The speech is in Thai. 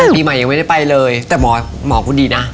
ปีใหม่ยังไม่ได้ไปเลยแต่หมอคุณดีนะ